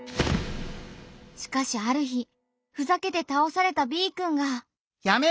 しかしある日ふざけて倒されたＢくんが。